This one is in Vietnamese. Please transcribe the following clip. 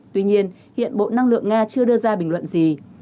tuy nhiên hiện bộ năng lượng nga chưa đưa ra bình luận gì